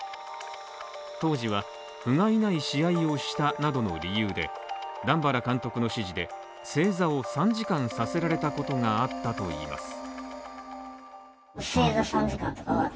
当時は、ふがいない試合をしたなどの理由で段原監督の指示で正座を３時間させられたことがあったといいます。